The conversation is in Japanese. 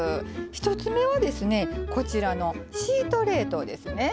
１つ目はですねこちらのシート冷凍ですね。